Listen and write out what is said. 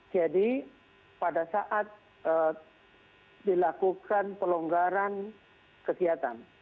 jadi pada saat dilakukan pelonggaran kesehatan